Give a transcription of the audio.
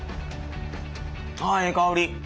あええ香り！